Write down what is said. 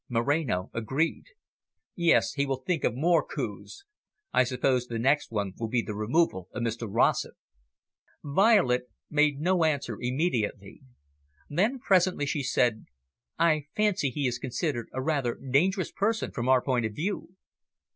Moreno agreed. "Yes, he will think of more coups. I suppose the next one will be the removal of Mr Rossett." Violet made no answer immediately. Then, presently she said. "I fancy he is considered a rather dangerous person from our point of view."